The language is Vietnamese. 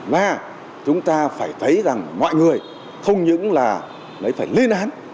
mà chúng ta phải thấy rằng mọi người không những là phải lên án